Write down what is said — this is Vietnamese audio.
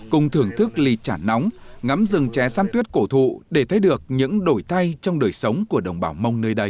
cùng thưởng thức ly chả nóng ngắm rừng trẻ săn tuyết cổ thụ để thấy được những đổi thay trong đời sống của đồng bào mông nơi đây